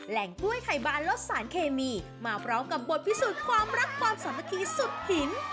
กล้วยไข่บานลดสารเคมีมาพร้อมกับบทพิสูจน์ความรักความสามัคคีสุดหิน